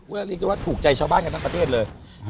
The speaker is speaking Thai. เรียกได้ว่าถูกใจชาวบ้านกันทั้งประเทศเลย